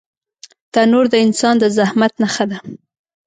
تنور د انسان د زحمت نښه ده